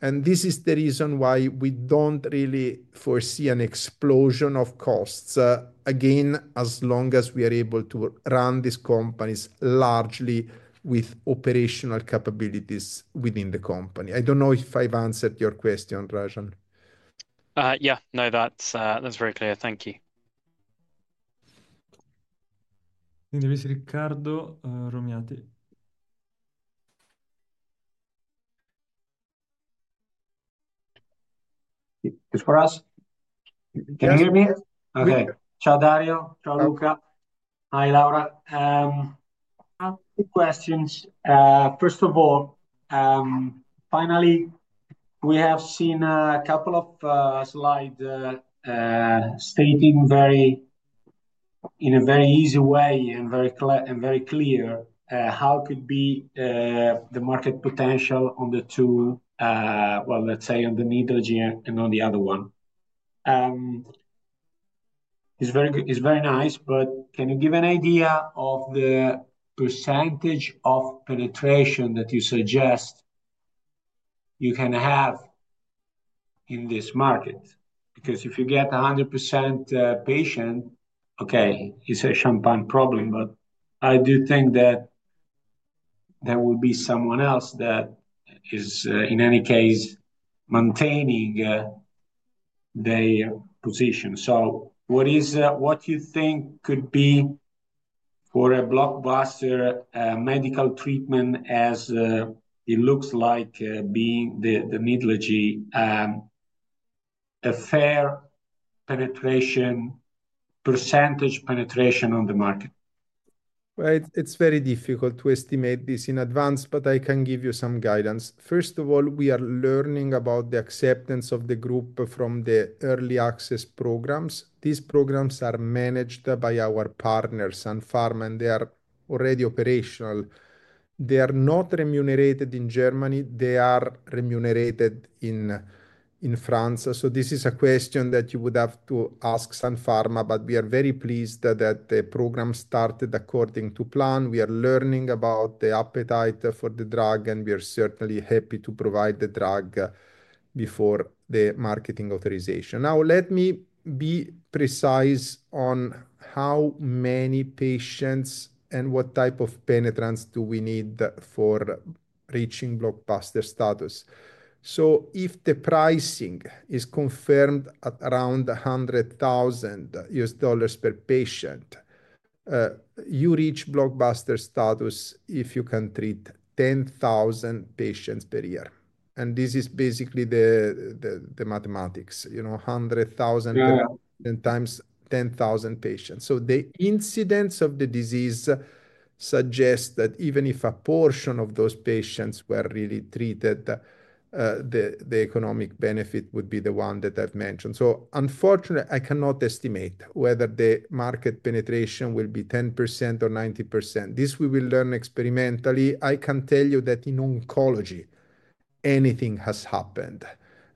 This is the reason why we do not really foresee an explosion of costs, again, as long as we are able to run these companies largely with operational capabilities within the company. I do not know if I have answered your question, Rajan. Yeah, no, that is very clear. Thank you. I think there is Riccardo Romiati. It is for us. Can you hear me? Okay. Ciao, Dario. Ciao, Puca. Hi, Laura. A few questions. First of all, finally, we have seen a couple of slides stating in a very easy way and very clear how could be the market potential on the two, well, let's say on the Nidlegy and on the other one. It's very nice, but can you give an idea of the percentage of penetration that you suggest you can have in this market? Because if you get 100% patient, okay, it's a champagne problem, but I do think that there will be someone else that is, in any case, maintaining their position. What do you think could be for a blockbuster medical treatment, as it looks like being the Nidlegy, a fair penetration, percentage penetration on the market? It's very difficult to estimate this in advance, but I can give you some guidance. First of all, we are learning about the acceptance of the group from the early access programs. These programs are managed by our partners, Sun Pharma, and they are already operational. They are not remunerated in Germany. They are remunerated in France. This is a question that you would have to ask Sun Pharma, but we are very pleased that the program started according to plan. We are learning about the appetite for the drug, and we are certainly happy to provide the drug before the marketing authorization. Now, let me be precise on how many patients and what type of penetrance do we need for reaching blockbuster status. If the pricing is confirmed at around $100,000 per patient, you reach blockbuster status if you can treat 10,000 patients per year. This is basically the mathematics, $100,000 times 10,000 patients. The incidence of the disease suggests that even if a portion of those patients were really treated, the economic benefit would be the one that I've mentioned. Unfortunately, I cannot estimate whether the market penetration will be 10% or 90%. This we will learn experimentally. I can tell you that in oncology, anything has happened.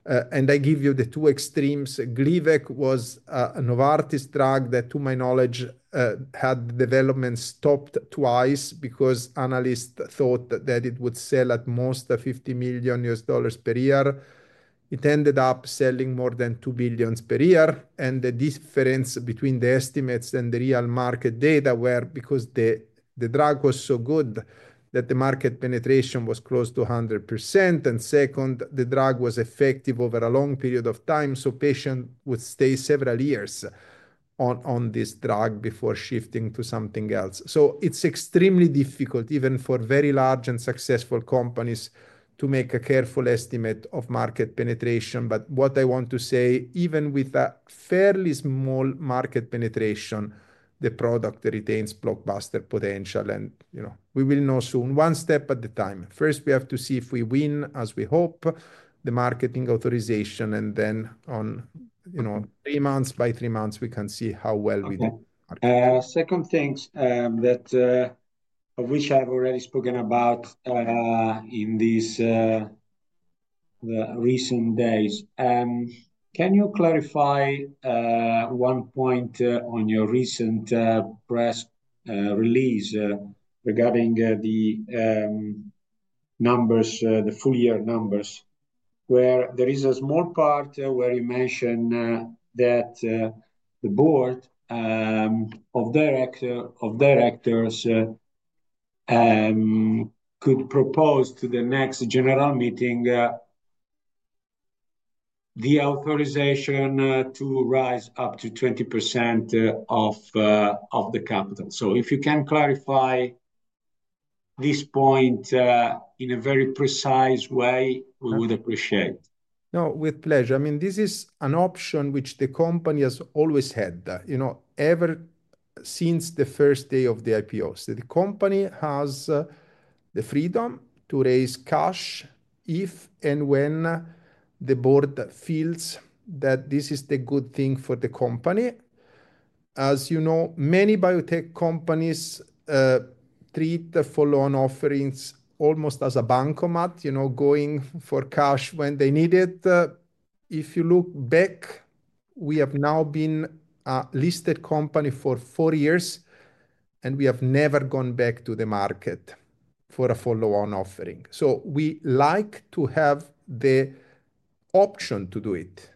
I give you the two extremes. Glivec was a Novartis drug that, to my knowledge, had development stopped twice because analysts thought that it would sell at most $50 million per year. It ended up selling more than $2 billion per year. The difference between the estimates and the real market data was because the drug was so good that the market penetration was close to 100%. The drug was effective over a long period of time, so patients would stay several years on this drug before shifting to something else. It is extremely difficult, even for very large and successful companies, to make a careful estimate of market penetration. What I want to say, even with a fairly small market penetration, the product retains blockbuster potential. We will know soon. One step at a time. First, we have to see if we win, as we hope, the marketing authorization. Then, on three months, by three months, we can see how well we did. Second things that I wish I have already spoken about in these recent days. Can you clarify one point on your recent press release regarding the numbers, the full year numbers, where there is a small part where you mentioned that the board of directors could propose to the next general meeting the authorization to rise up to 20% of the capital? If you can clarify this point in a very precise way, we would appreciate it. No, with pleasure. I mean, this is an option which the company has always had ever since the first day of the IPO. The company has the freedom to raise cash if and when the board feels that this is the good thing for the company. As you know, many biotech companies treat follow-on offerings almost as a bankomat, going for cash when they need it. If you look back, we have now been a listed company for four years, and we have never gone back to the market for a follow-on offering. We like to have the option to do it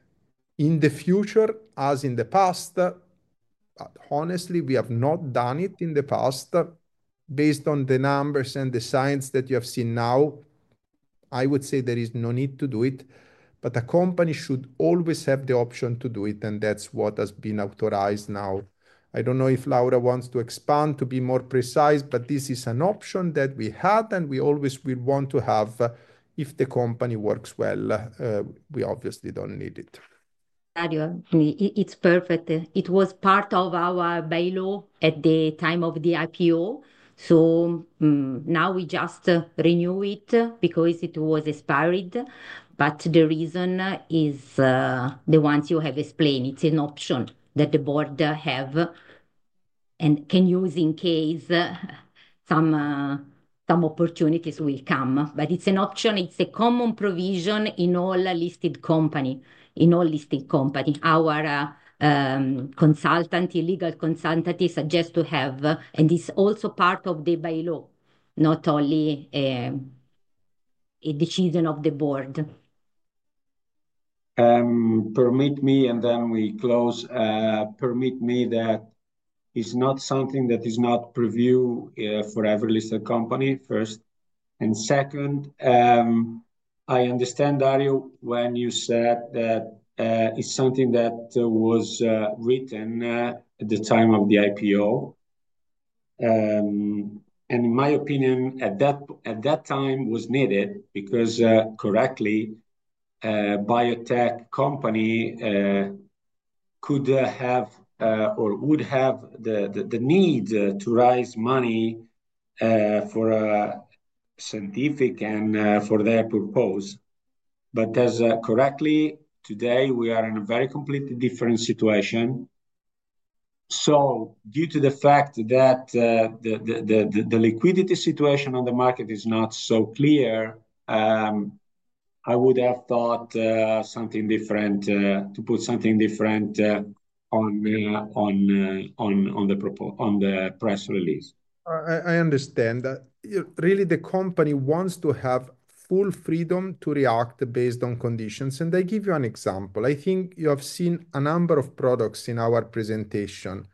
in the future, as in the past, but honestly, we have not done it in the past. Based on the numbers and the science that you have seen now, I would say there is no need to do it. A company should always have the option to do it, and that is what has been authorized now. I do not know if Laura wants to expand to be more precise, but this is an option that we had and we always will want to have if the company works well. We obviously do not need it. Dario, it is perfect. It was part of our bylaws at the time of the IPO. We just renew it because it was expired. The reason is the ones you have explained. It's an option that the board has and can use in case some opportunities will come. It's an option. It's a common provision in all listed companies. In all listed companies, our legal consultants suggest to have, and it's also part of the bailout, not only a decision of the board. Permit me, and then we close. Permit me that it's not something that is not preview for every listed company. First, and second, I understand, Dario, when you said that it's something that was written at the time of the IPO. In my opinion, at that time, it was needed because correctly, a biotech company could have or would have the need to raise money for a certificate for their purpose. As correctly stated, today, we are in a very completely different situation. Due to the fact that the liquidity situation on the market is not so clear, I would have thought something different to put something different on the press release. I understand that really the company wants to have full freedom to react based on conditions. I give you an example. I think you have seen a number of products in our presentation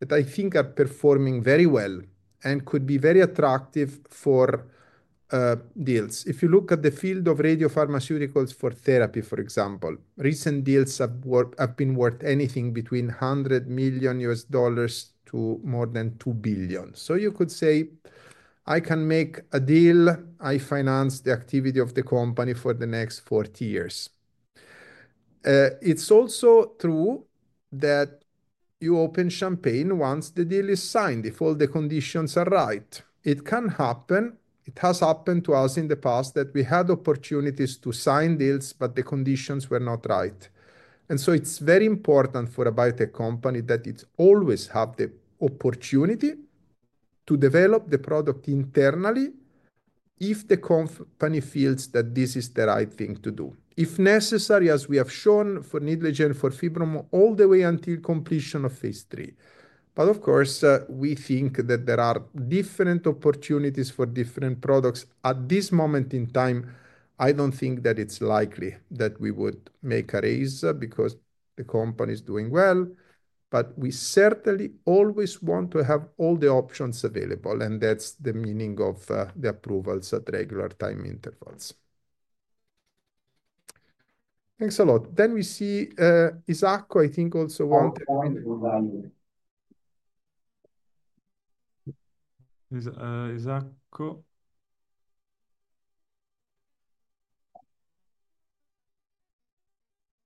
that I think are performing very well and could be very attractive for deals. If you look at the field of radiopharmaceuticals for therapy, for example, recent deals have been worth anything between $100 million to more than $2 billion. You could say, "I can make a deal. I finance the activity of the company for the next 40 years. It's also true that you open champagne once the deal is signed if all the conditions are right. It can happen. It has happened to us in the past that we had opportunities to sign deals, but the conditions were not right. It is very important for a biotech company that it always has the opportunity to develop the product internally if the company feels that this is the right thing to do. If necessary, as we have shown for Nidlegy and for Fibromun all the way until completion of phase three. Of course, we think that there are different opportunities for different products. At this moment in time, I don't think that it's likely that we would make a raise because the company is doing well. We certainly always want to have all the options available, and that's the meaning of the approvals at regular time intervals. Thanks a lot. We see Isacco, I think also wanted. Isacco.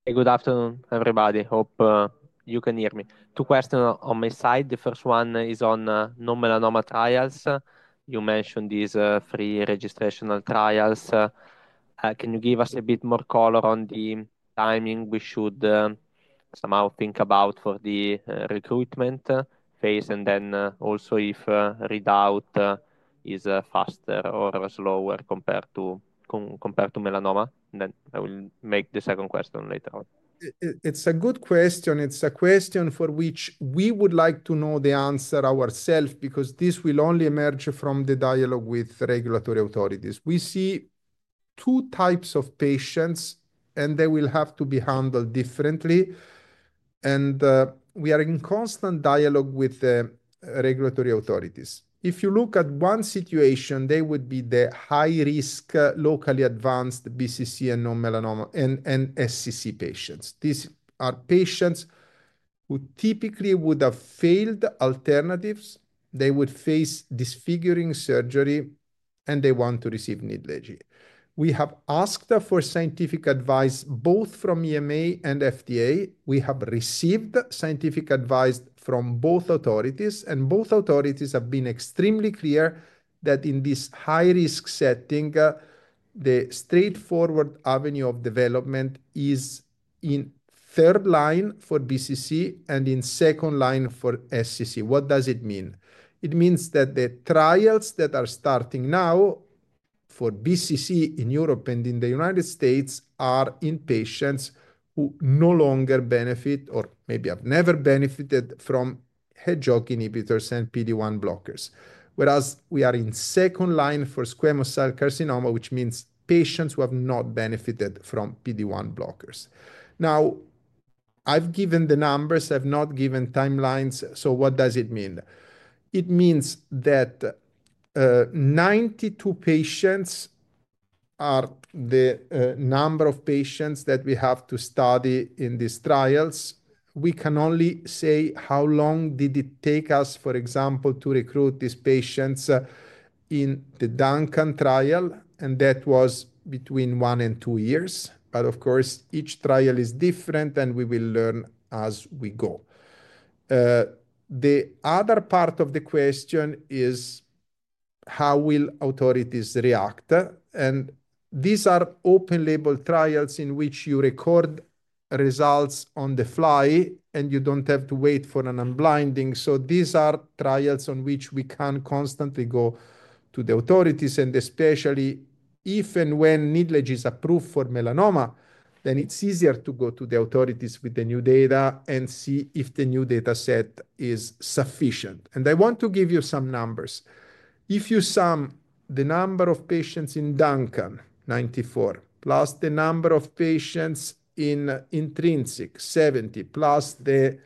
Hey, good afternoon, everybody. Hope you can hear me. Two questions on my side. The first one is on non-melanoma trials. You mentioned these three registrational trials. Can you give us a bit more color on the timing we should somehow think about for the recruitment phase and then also if readout is faster or slower compared to melanoma? I will make the second question later on. It's a good question. It's a question for which we would like to know the answer ourselves because this will only emerge from the dialogue with regulatory authorities. We see two types of patients, and they will have to be handled differently. We are in constant dialogue with the regulatory authorities. If you look at one situation, they would be the high-risk locally advanced BCC and SCC patients. These are patients who typically would have failed alternatives. They would face disfiguring surgery, and they want to receive Nidlegy. We have asked for scientific advice both from EMA and FDA. We have received scientific advice from both authorities, and both authorities have been extremely clear that in this high-risk setting, the straightforward avenue of development is in third line for BCC and in second line for SCC. What does it mean? It means that the trials that are starting now for BCC in Europe and in the United States are in patients who no longer benefit or maybe have never benefited from Hedgehog inhibitors and PD-1 blockers. Whereas we are in second line for squamous cell carcinoma, which means patients who have not benefited from PD-1 blockers. Now, I've given the numbers. I've not given timelines. What does it mean? It means that 92 patients are the number of patients that we have to study in these trials. We can only say how long did it take us, for example, to recruit these patients in the DUNCAN trial, and that was between one and two years. Of course, each trial is different, and we will learn as we go. The other part of the question is how will authorities react? These are open-label trials in which you record results on the fly, and you don't have to wait for an unblinding. These are trials on which we can constantly go to the authorities. Especially if and when Nidlegy is approved for melanoma, it's easier to go to the authorities with the new data and see if the new data set is sufficient. I want to give you some numbers. If you sum the number of patients in DUNCAN, 94, plus the number of patients in Intrinsic, 70, plus the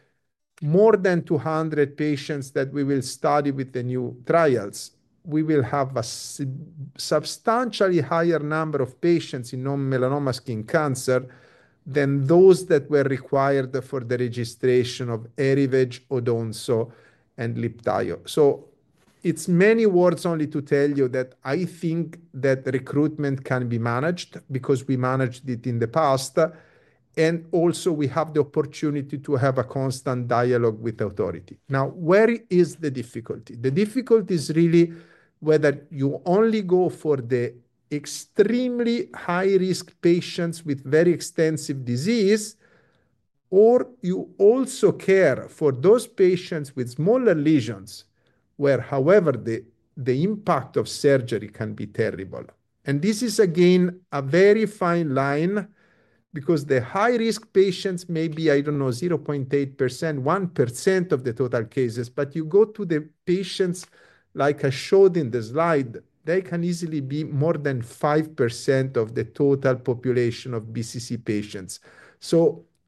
more than 200 patients that we will study with the new trials, we will have a substantially higher number of patients in non-melanoma skin cancer than those that were required for the registration of Erivedge, Odomzo, and Libtayo. It's many words only to tell you that I think that recruitment can be managed because we managed it in the past. Also, we have the opportunity to have a constant dialogue with authority. Now, where is the difficulty? The difficulty is really whether you only go for the extremely high-risk patients with very extensive disease, or you also care for those patients with smaller lesions where, however, the impact of surgery can be terrible. This is, again, a very fine line because the high-risk patients may be, I don't know, 0.8%, 1% of the total cases. You go to the patients, like I showed in the slide, they can easily be more than 5% of the total population of BCC patients.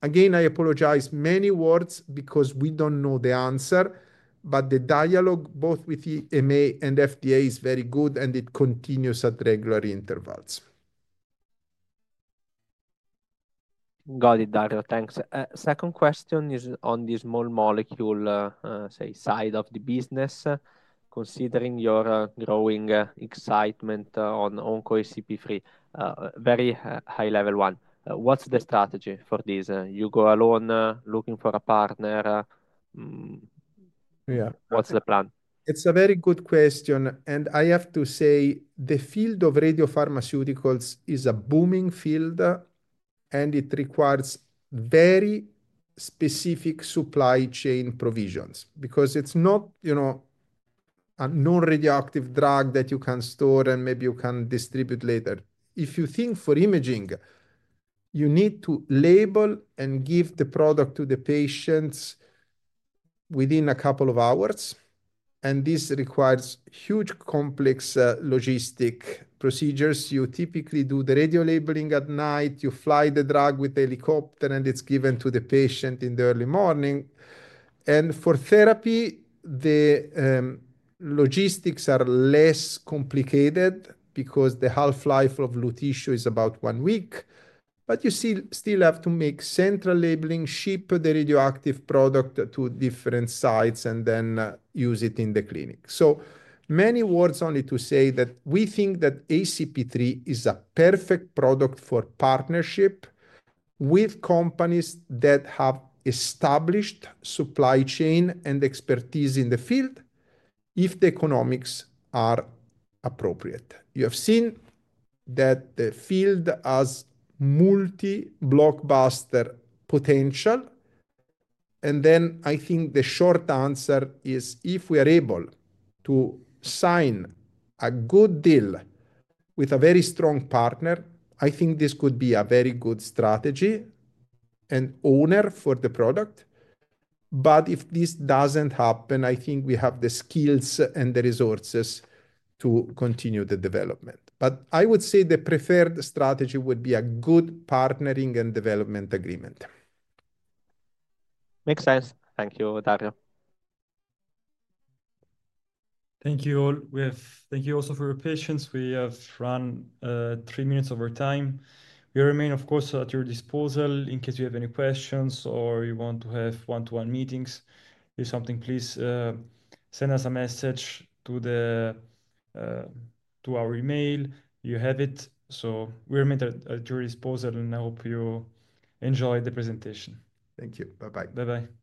Again, I apologize, many words because we don't know the answer, but the dialogue both with EMA and FDA is very good, and it continues at regular intervals. Got it, Dario. Thanks. Second question is on the small molecule, say, side of the business, considering your growing excitement on OncoFAP‑23, very high-level one. What's the strategy for this? You go alone looking for a partner? Yeah. What's the plan? It's a very good question. I have to say the field of radiopharmaceuticals is a booming field, and it requires very specific supply chain provisions because it's not a non-radioactive drug that you can store and maybe you can distribute later. If you think for imaging, you need to label and give the product to the patients within a couple of hours. This requires huge complex logistic procedures. You typically do the radiolabeling at night. You fly the drug with the helicopter, and it's given to the patient in the early morning. For therapy, the logistics are less complicated because the half-life of lutetium is about one week. You still have to make central labeling, ship the radioactive product to different sites, and then use it in the clinic. So many words only to say that we think that ACP3 is a perfect product for partnership with companies that have established supply chain and expertise in the field if the economics are appropriate. You have seen that the field has multi-blockbuster potential. I think the short answer is if we are able to sign a good deal with a very strong partner, I think this could be a very good strategy and owner for the product. If this does not happen, I think we have the skills and the resources to continue the development. I would say the preferred strategy would be a good partnering and development agreement. Makes sense. Thank you, Dario. Thank you all. Thank you also for your patience. We have run three minutes of our time. We remain, of course, at your disposal in case you have any questions or you want to have one-to-one meetings. If something, please send us a message to our email. You have it. We remain at your disposal, and I hope you enjoy the presentation. Thank you. Bye-bye. Bye-bye. Thank you.